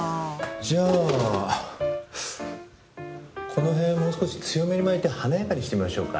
じゃあこのへんもう少し強めに巻いて華やかにしてみましょうか。